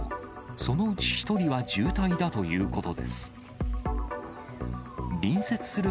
そのうち１人は重体だということです。